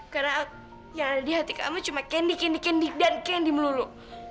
karena yang ada di hati kamu cuma candy candy candy dan candy melulu